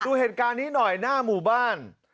ดูเหตุการณ์นี้หน่อยหน้าหมู่บ้าน